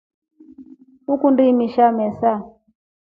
Ukundi imisha mesa?